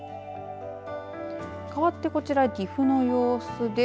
かわってこちら岐阜の様子です。